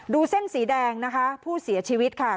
เส้นสีแดงนะคะผู้เสียชีวิตค่ะ